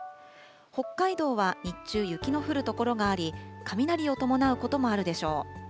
北海道は日中、雪の降る所があり、雷を伴うこともあるでしょう。